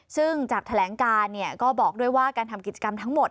ซึ่งจากแถลงการก็บอกด้วยว่าการทำกิจกรรมทั้งหมด